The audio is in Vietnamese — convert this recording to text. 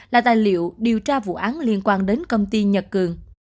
là tài liệu điều tra vụ án liên quan đến công ty nhật cường